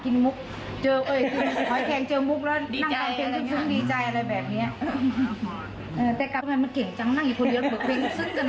นึกว่าหอยแคงเจอมุกแล้วนั่งเปล่าเพลงซึ้ง